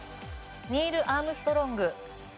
ニール・アームストロング。